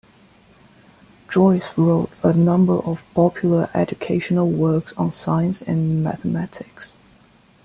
Joyce wrote a number of popular educational works on science and mathematics.